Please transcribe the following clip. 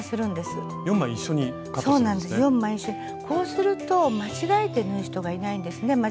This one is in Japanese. こうすると間違えて縫う人がいないんですね。